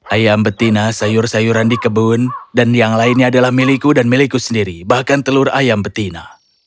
ayam betina sayur sayuran di kebun dan yang lainnya adalah milikku dan milikku sendiri bahkan telur ayam betina